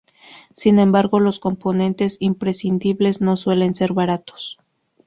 Sin embargo, los componentes imprescindibles no suelen ser baratos.